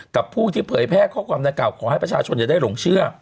กับผู้ที่เผยแพร่ข้อความดังกล่าขอให้ประชาชนอย่าได้หลงเชื่อ